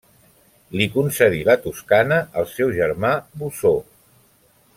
Li concedí la Toscana al seu germà Bosó.